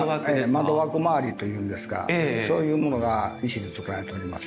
窓枠周りというんですかそういうものが石でつくられております。